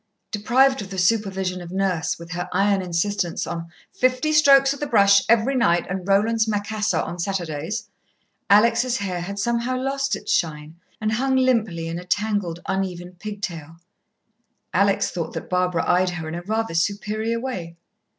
Deprived of the supervision of Nurse, with her iron insistence on "fifty strokes of the brush every night, and Rowland's Macassor on Saturdays," Alex' hair had somehow lost its shine, and hung limply in a tangled, uneven pigtail. Alex thought that Barbara eyed her in a rather superior way.